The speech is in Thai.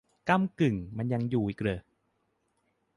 ก้ำกึ่งมันยังอยู่อีกเหรอ !